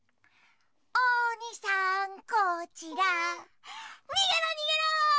おにさんこちらにげろにげろ！